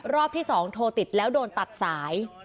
รอบที่๒โทรติดแล้วโดนตัดสาย